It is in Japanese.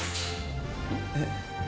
えっ？